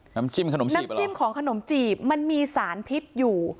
น้ำจิ้มขนมจีบน้ำจิ้มของขนมจีบมันมีสารพิษอยู่